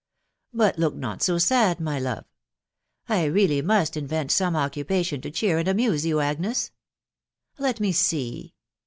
But look not so sad, my love !.... I really must invent some occupation to cheer and amuse you, Agnes. ... Let me see